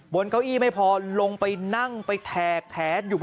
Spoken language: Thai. บนเก้าอี้ไม่พอลงไปนั่งไปแทกแทก